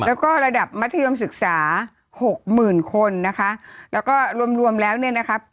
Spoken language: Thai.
แล้วก็ระดับมัธยมศึกษาหกหมื่นคนนะคะแล้วก็รวมรวมแล้วเนี่ยนะครับ